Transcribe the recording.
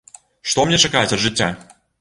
Што мне чакаць ад жыцця?